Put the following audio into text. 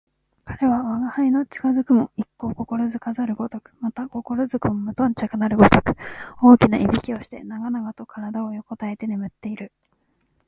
彼は吾輩の近づくのも一向心付かざるごとく、また心付くも無頓着なるごとく、大きな鼾をして長々と体を横えて眠っている